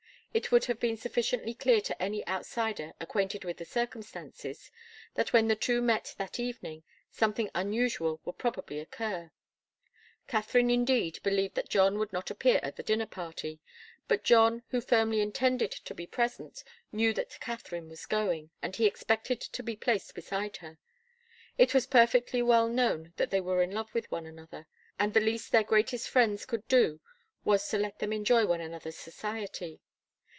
It would have been sufficiently clear to any outsider acquainted with the circumstances that when the two met that evening, something unusual would probably occur. Katharine, indeed, believed that John would not appear at the dinner party; but John, who firmly intended to be present, knew that Katharine was going, and he expected to be placed beside her. It was perfectly well known that they were in love with one another, and the least their greatest friends could do was to let them enjoy one another's society.